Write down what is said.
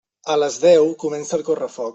A les deu comença el correfoc.